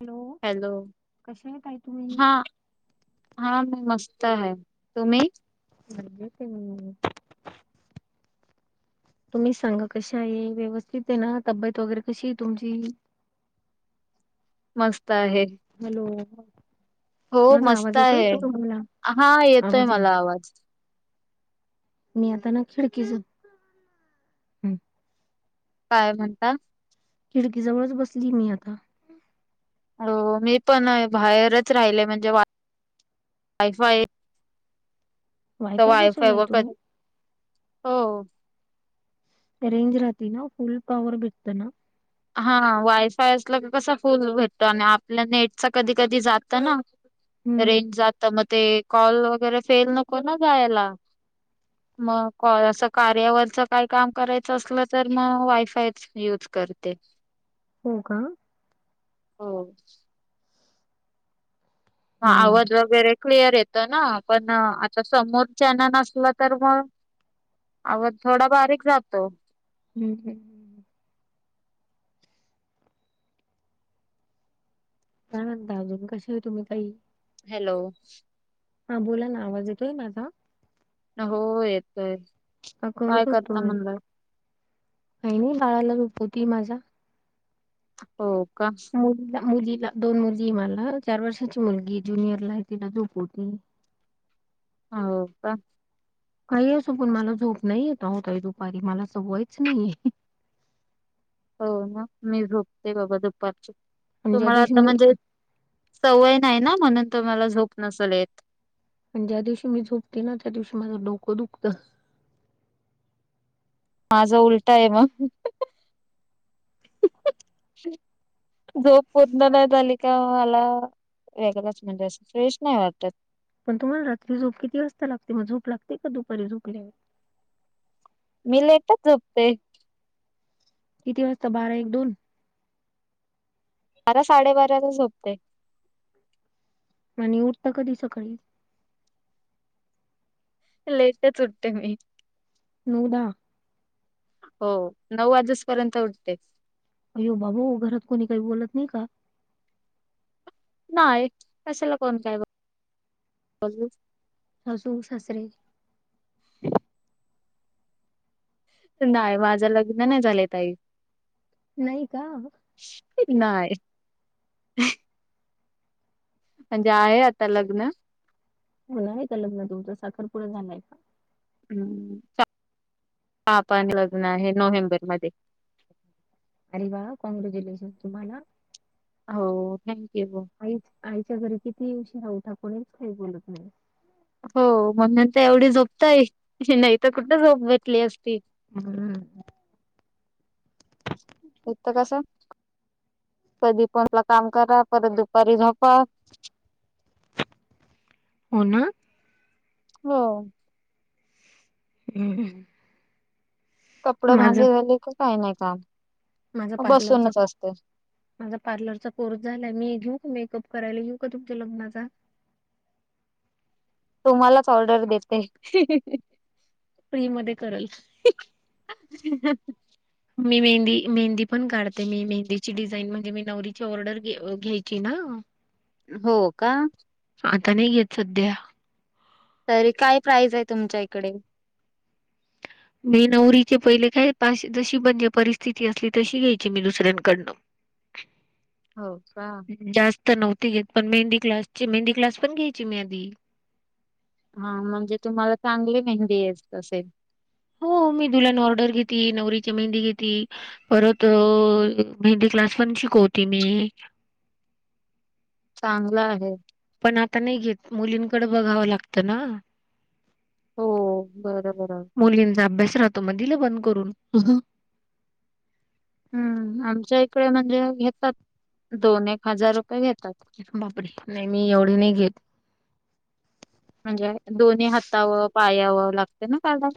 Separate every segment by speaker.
Speaker 1: Hello! कसे आहे ताई
Speaker 2: हा
Speaker 1: तुम्ही.
Speaker 2: हा मी मस्त आहे, तुम्ही?
Speaker 1: [unintelligible] ते मी. तुम्ही सांगा कशा आहे व्यवस्थित आहे ना? तब्येत वगैरे कशी आहे तुमची?
Speaker 2: मस्त आहे.
Speaker 1: हॅलो,
Speaker 2: हो
Speaker 1: माझा
Speaker 2: मस्त
Speaker 1: आवाज येतोय
Speaker 2: आहे
Speaker 1: का तुम्हाला?
Speaker 2: हा, येतोय
Speaker 1: आवाज येईल
Speaker 2: मला आवाज.
Speaker 1: ''मी आता ना खिडकीच.
Speaker 2: काय म्हणता.
Speaker 1: खिडकी जवळच बसली मी आता.
Speaker 2: हो मी पण बाहेरच राहिले म्हणजे वा वायफाय. तर वायफाय
Speaker 1: बसवलाय
Speaker 2: व
Speaker 1: तुम्ही
Speaker 2: हो.
Speaker 1: रेंज राहत ना फुल पववर बटतना.
Speaker 2: हा, वायफाय असलं कस फुल भेटतो आणि आपल्या नेटच कधी कधी जात ना.
Speaker 1: हम्म
Speaker 2: रेंज जात मग ते कॉल वगैरे फेल नको ना जायला. मग कॉ असं कार्यावरच काय काम करायचं असलं तर मग वायफायच. यूज करते.
Speaker 1: हो का,
Speaker 2: हो, ह,
Speaker 1: हम्म
Speaker 2: आवाज वगैरे क्लिअर येतं ना पण आता समोरच्याना नसलं तर मग. आवाज थोडा बारीक जातो.
Speaker 1: हम् हम्, काय म्हणता अजून कश्या आहे तुम्ही ताई.
Speaker 2: हॅलो,
Speaker 1: हा, बोला ना आवाज येतोय माझा.
Speaker 2: हो, येतोय
Speaker 1: का
Speaker 2: काय
Speaker 1: कट
Speaker 2: करता म्हणलं.
Speaker 1: काय नाही बाळाला झोपवती माझ्या.
Speaker 2: हो का,
Speaker 1: मुलीला मुलीला दोन मुलीहे मला चार वर्षाची मुलगी हे ज्युनियर ला तिला झोपवती ते.
Speaker 2: हो का,
Speaker 1: काही असो पण मला झोप नाही येत अहो ताई दुपारी मला सवयाच नाहीये.
Speaker 2: हो, ना मी झोपते बाबा दुपारची
Speaker 1: पण ज्या
Speaker 2: तुम्हाला
Speaker 1: दिवशी
Speaker 2: आता
Speaker 1: मी
Speaker 2: म्हणजे. सवय नाही ना म्हणून तुम्हाला झोप नसल येत.
Speaker 1: पण ज्या दिवशी मी झोपती ना त्या दिवशी माझं डोकं दुखतं.
Speaker 2: माझं उलटा हे मग. झोप पूर्ण नाही झाली का मला. वेगळंच म्हणजे असं फेश नाही वाटत.
Speaker 1: पण तुम्हाला रात्री झोप किती वाजता लागते मग झोप लागते का दुपारी झोपल्यावर.
Speaker 2: ''मी लेटच झोपते.
Speaker 1: किती वाजता बारा एक दोन.
Speaker 2: बारा साडेबाराला झोपते.
Speaker 1: आणि उठता कधी सकाळी.
Speaker 2: लेटच उठते मी''
Speaker 1: नऊ दहा.
Speaker 2: हो नऊ वाजस पर्यंत उठते.
Speaker 1: अय्यो बाबो घरात कोणी काही बोलत नाही का?
Speaker 2: नाय कशाला कोण काय बघू.
Speaker 1: सासू सासरे.
Speaker 2: [inaudible] नाय माझं लग्न नाही झालंय ताई.
Speaker 1: नई का
Speaker 2: नाय म्हणजे आहे आता लग्न
Speaker 1: होणार हाय का लग्न तुमच साखरपुडा झालाय का
Speaker 2: हू हा पण लग्न आहे नोव्हेंबर मध्ये
Speaker 1: अरे वा काँग्रज्यूलेशन तुम्हाला
Speaker 2: हो थँक्यू
Speaker 1: आईच आईच्या घरी किती उशीरा उठा कोणीच काही बोलत नाही
Speaker 2: हो म्हणून तर एवढी झोपताय नाही तर कुठं झोप भेटली असती
Speaker 1: हू
Speaker 2: होत कसं कधी पणला काम करा परत दुपारी झोपा
Speaker 1: हो ना
Speaker 2: हो
Speaker 1: हू
Speaker 2: कपड भांडे झाली की काय नाही काम
Speaker 1: माझा
Speaker 2: म
Speaker 1: पार्लरचा
Speaker 2: बसूनच असते
Speaker 1: माझा पार्लरचा कोर्स झालाय मी घेऊ मेकअप करायला येऊ का तुमच्या लग्नाचा
Speaker 2: तुम्हालाच ऑर्डर देते
Speaker 1: फ्री मध्ये करल
Speaker 2: [inaudible]
Speaker 1: मी मेहंदी मेहंदी पण काढते मी मेहंदीची डिझाईन म्हणजे मी नवरी ची ऑर्डर घ्यायची ना
Speaker 2: हो का
Speaker 1: आता नाही घेत संध्या
Speaker 2: तरी काय प्राईज हाय तुमच्या इकडे
Speaker 1: मी नवरीचे पहिले काय पा जशी म्हणजे परिस्थिती असली तशी घ्यायची मी दुसऱ्यांकडनं [inaudible]
Speaker 2: हो का
Speaker 1: जास्त नव्हती घेत पण मेहंदी क्लासची मेहंदी क्लास पण घ्यायची मी आधी
Speaker 2: हा म्हणजे तुम्हाला चांगली मेहंदी येत असेल
Speaker 1: हो मी दुल्हन ऑर्डर घेती नवरीची मेहंदी घेती परत मेहंदी क्लास पन शिकवती मी
Speaker 2: चांगलं आहे
Speaker 1: पण आता नाही घेत मुलींकड बघावं लागतं ना
Speaker 2: हो बरं बर
Speaker 1: मुलींचा अभ्यास राहतो म दिल बंद करून
Speaker 2: हू आमच्या इकडे म्हणजे घेतात दोन एक हजार रुपय घेतात
Speaker 1: बापरे नाही मी एवढे नाही घेत
Speaker 2: म्हणजे दोन्ही हातावर पायावर लागते ना काढाव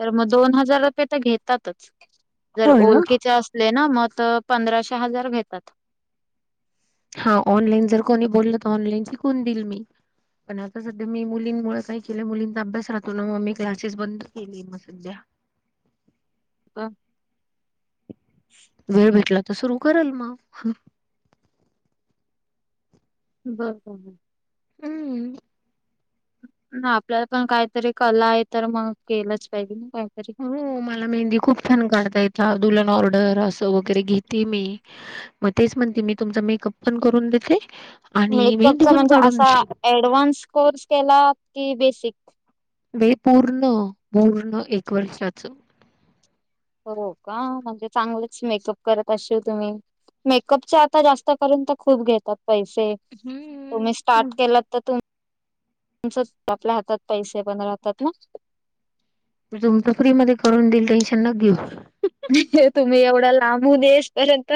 Speaker 2: तर मग दोन हजार घेतातच जर
Speaker 1: होय ना.
Speaker 2: ओळखीचे असले ना मग पंधराशे हजार घेतात
Speaker 1: हा ऑनलाईन जर कोणी बोललं तर ऑनलाईन शिकवून दिल मी पण आता सध्या मी मुलींमुळ काय केलं मुलींचा अभ्यास राहतो ना म मी क्लासेस बंद केले म संध्या
Speaker 2: आ
Speaker 1: वेळ भेटला तर सुरू करल म
Speaker 2: बर [unintelligible]
Speaker 1: हम्.
Speaker 2: ना आपल्याला पण कायतरी कला आहे तर मग केलंच पायजे ना कायतरी
Speaker 1: हो मला मेहंदी खूप छान काढता येता, दुलन ऑर्डर असं वगैरे घेते मी. म तेच म्हणते मी तुमचा मेकअप पण करून देते आणि मेहंदी
Speaker 2: मेकअपचा
Speaker 1: पण
Speaker 2: म्हणजे
Speaker 1: काढून
Speaker 2: असा
Speaker 1: देते
Speaker 2: ऍडव्हान्स कोर्स केला की बेसिक
Speaker 1: वे पूर्ण पूर्ण एक वर्षाचं.
Speaker 2: हो का म्हणजे चांगलंच मेकअप करत असशीव तुम्ही. मेकअपचं आता जास्त करून ते खूप घेतात पैसे तुम्ही
Speaker 1: हम्म.
Speaker 2: स्टार्ट केलात त तुम् तुमचच् आपल्या हातात पैसे पण राहतात ना.
Speaker 1: चुमत फ्री मध्ये करून दिल टेन्शन नक घीऊ.
Speaker 2: तुम्ही एवढ्या लांबून येस पर्यंत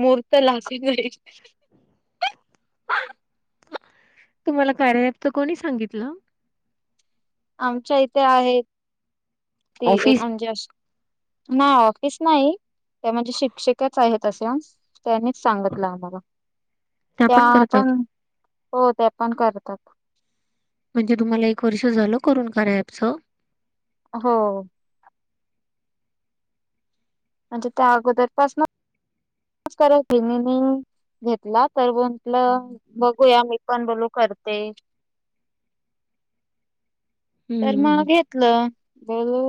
Speaker 2: मुर्त लागी नई.
Speaker 1: तुम्हाला कार्य ऍप त कोणी सांगितलं?
Speaker 2: आमच्या इथे आहे ते एक
Speaker 1: ऑफिस
Speaker 2: आमजी अशी. नाय ऑफिस नाही त्या म्हणजे शिक्षकच आहेत. तसं त्यांनीच सांगितलं आम्हाला, त्या पण हो त्या पण करतात.
Speaker 1: म्हणजे तुम्हाला एक वर्ष झालं करून कार्य ऍपचं.
Speaker 2: हो. म्हणजे त्या अगोदर पाासनं कराय [unintelligible] घेतला तर म्हटलं बघूया मी पण बोलू करते. तर म
Speaker 1: हम्म.
Speaker 2: घेतलं बोलू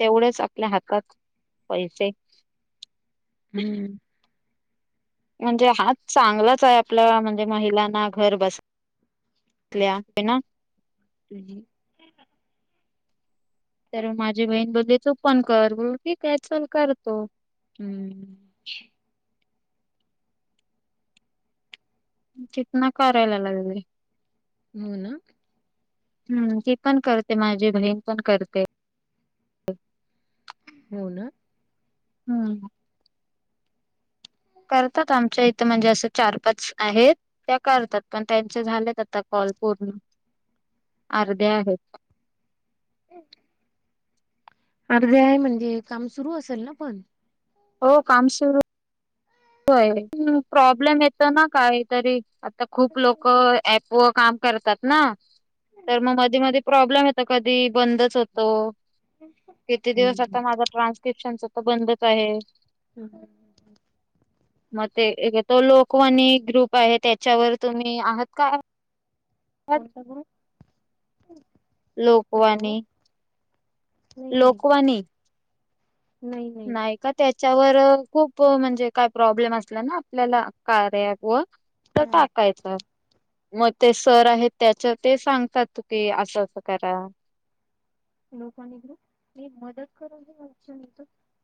Speaker 2: तेवढंच आपल्या हातात पैसे.
Speaker 1: हम्म.
Speaker 2: म्हणजे हा चांगलाचाय आपल्याला म्हणजे महिलांना घर बस ल्या आय न.
Speaker 1: [unintelligible]
Speaker 2: तर माजी बहीन बोलली तु पन कर, बोल्लो ठीकंय चल करतो.
Speaker 1: हम्म.
Speaker 2: तीथना करायला लागले.
Speaker 1: होना.
Speaker 2: हम्म ती पण करते माझी बहीण पण करते.
Speaker 1: हो ना
Speaker 2: हम्म. करतात आमच्या इथं म्हणजे असं चार पाच आहेत. त्या करतात पण त्यांचे झालेत आता कॉल पूर्ण, अर्धे आहेत.
Speaker 1: अर्धे आहे म्हणजे काम सुरू असेल ना पण.
Speaker 2: हो काम सुरू होय प्रॉब्लेम येत ना काईतरी आता खूप लोकं ऍपव काम करतात ना. तर म मधी मध्ये प्रॉब्लेम येतो कधी बंदच होतो. किती दिवस
Speaker 1: हम्म.
Speaker 2: आता माझा ट्रान्स्क्रिप्शनचं त बंदच आहे.
Speaker 1: हम्.
Speaker 2: म ते तो लोकवणी ग्रुप आहे त्याच्यावर तुम्ही आहात का?
Speaker 1: कोणता ग्रुप
Speaker 2: लोकवानी
Speaker 1: हॅलो नाही नाही
Speaker 2: लोकवानी नाही तर त्याच्यावर खूप म्हणजे काय प्रॉब्लेम असला ना आपल्याला कार्या ॲप वर तर टाकायचं मग ते सर आहेत त्याच्यात ते सांगतात की असं असं करा
Speaker 1: लोकवाणी ग्रुप, एक मदत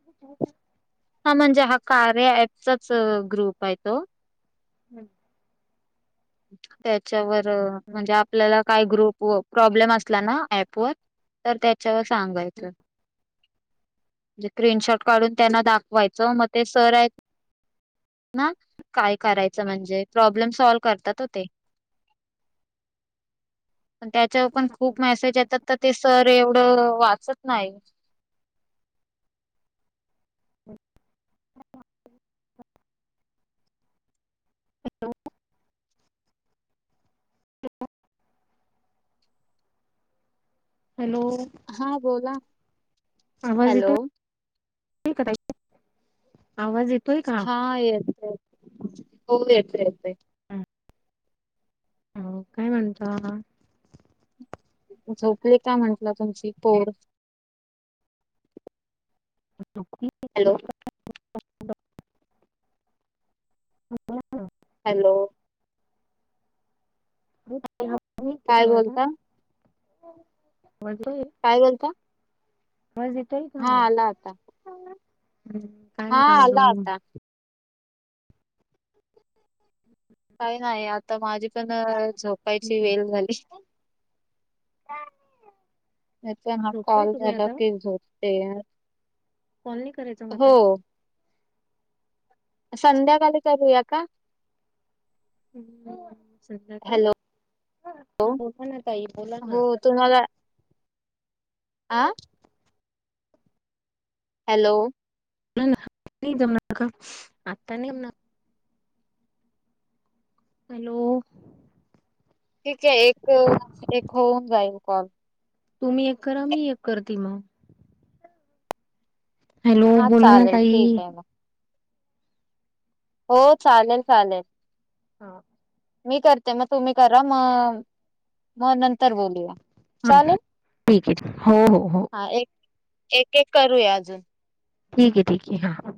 Speaker 1: [inaudible]
Speaker 2: हा म्हणजे हा कार्य ॲप चा च ग्रुप आहे तो
Speaker 1: हम्
Speaker 2: त्याच्यावर म्हणजे आप आपल्याला काय ग्रुप व प्रॉब्लेम असला ना ॲप वर तर त्याच्यावर सांगायचं म्हणजे स्क्रीनशॉट काढून त्यांना दाखवायचं मग ते सर आहेत ना काय करायचं म्हणजे प्रॉब्लेम सॉल्व करतात हो ते
Speaker 1: [inaudible]
Speaker 2: त्याच्यावर पण खूप मेसेज येतात तर ते सर एवढ वाचत नाही
Speaker 1: हॅलो हॅलो
Speaker 2: हा बोला
Speaker 1: आवाज
Speaker 2: हॅलो
Speaker 1: येतोय, येतोय का ताई? आवाज येतोय? का?
Speaker 2: हा येत येत हो येतं येतोय.
Speaker 1: हम्म काय म्हणता?
Speaker 2: झोपले का तुमची पोर?
Speaker 1: झोपली
Speaker 2: हॅलो
Speaker 1: [inaudible]
Speaker 2: हॅलो काय बोलता
Speaker 1: [inaudible] [unintelligible]
Speaker 2: काय म्हणता?
Speaker 1: आवाज येतोय का?
Speaker 2: आता.
Speaker 1: काय
Speaker 2: हा
Speaker 1: म्हणता
Speaker 2: आला
Speaker 1: अजून
Speaker 2: आता काय नाही आता माझी पण झोपायची वेल झाली. नाहीतर हा
Speaker 1: झोपताय
Speaker 2: कॉल
Speaker 1: तुम्ही
Speaker 2: झाला
Speaker 1: आता
Speaker 2: की झोपते यार.
Speaker 1: कॉल नाही करायचा म आता?
Speaker 2: संध्याकाळी करूया का?
Speaker 1: संध्याकाळी,
Speaker 2: हॅलो.
Speaker 1: हा बोला ना ताई बोला ना
Speaker 2: हो तुम्हाला आ हॅलो
Speaker 1: नाही जमणार का? आत्ता नाही हॅलो
Speaker 2: ठीक आहे एक एक होऊन जाईल कॉल.
Speaker 1: तुम्ही एक करा, मी एक करते मग. हॅलो
Speaker 2: हा
Speaker 1: बोला ना
Speaker 2: चालेल
Speaker 1: ताई
Speaker 2: ठीक आहे मग. हो चालेल चालेल
Speaker 1: हा
Speaker 2: मी करते मग तुम्ही करा, मग मग नंतर बोलूया.
Speaker 1: हा
Speaker 2: चालेल,
Speaker 1: ठीक आहे हो हो हो
Speaker 2: हा एक एक एक करूया अजून.
Speaker 1: ठीके ठीके, हा.